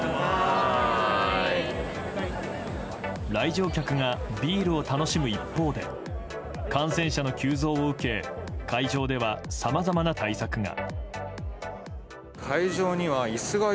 来場客がビールを楽しむ一方で感染者の急増を受け、会場ではさまざまな対策が。